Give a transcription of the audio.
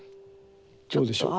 どうでしょうか。